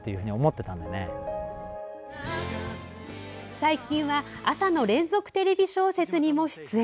最近は朝の連続テレビ小説にも出演。